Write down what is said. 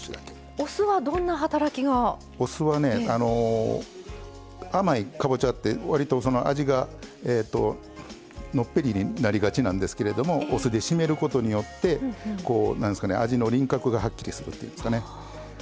お酢はね甘いかぼちゃって割と味がのっぺりになりがちなんですけれどもお酢で締めることによって味の輪郭がはっきりするっていいますかね。